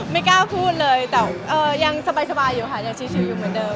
ไม่กล้าพูดเลยแต่ยังสบายอยู่ค่ะยังชิวอยู่เหมือนเดิม